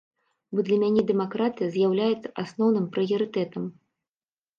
Бо для мяне дэмакратыя з'яўляецца асноўным прыярытэтам.